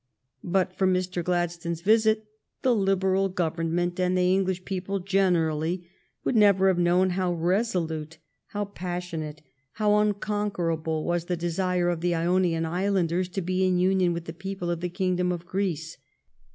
But for Mr. Glad stone's visit the Liberal Government and the Eng lish people generally would never have known how resolute, how passionate, how unconquerable, was the desire of the Ionian Islanders to be in union with the people of the Kingdom of Greece.